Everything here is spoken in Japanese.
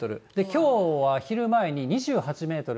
きょうは昼前に２８メートル。